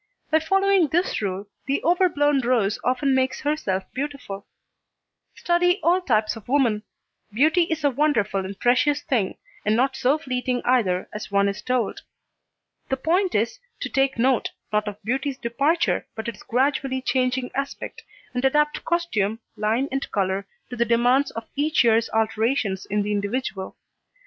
By following this rule the overblown rose often makes herself beautiful. Study all types of woman. Beauty is a wonderful and precious thing, and not so fleeting either as one is told. The point is, to take note, not of beauty's departure, but its gradually changing aspect, and adapt costume, line and colour, to the demands of each year's alterations in the individual.